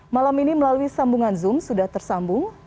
malam ini melalui sambungan zoom sudah tersambung